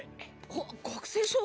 あっ学生証。